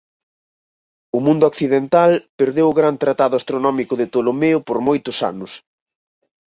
O mundo occidental perdeu o gran tratado astronómico de Tolomeo por moitos anos.